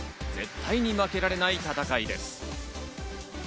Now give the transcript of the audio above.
絶対に負けられない戦いです。